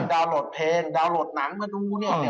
ดาวนโหลดเพลงดาวนโหลดหนังมาดูเนี่ย